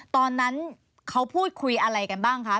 ตอนนั้นเขาพูดคุยอะไรกันบ้างคะ